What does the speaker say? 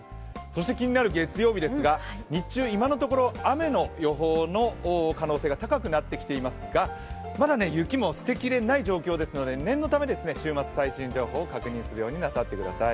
気になる月曜日ですが、日中今のところ雨の予報の可能性が高くなってきていますが、まだ雪も捨てきれない状況ですので、念のため週末、最新情報を確認するようになさってください。